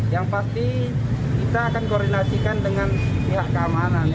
yang pasti kita akan koordinasikan dengan pihak keamanan